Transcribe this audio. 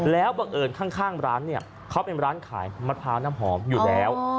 แล้วบังเอิญข้างร้านเนี่ยเขาเป็นร้านขายมะพร้าวน้ำหอมอยู่แล้ว